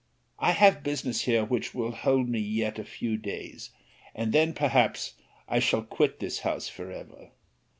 I have business here which will hold me yet a few days; and then perhaps I shall quit this house for ever.